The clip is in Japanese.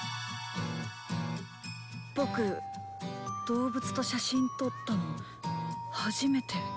ボク動物と写真撮ったの初めて。